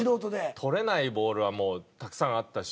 捕れないボールはもうたくさんあったし。